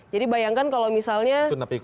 jadi bayangkan kalau misalnya